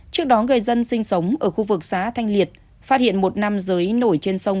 trước đó người dân sinh sống ở khu vực xã thanh liệt phát hiện một nam giới nổi trên sông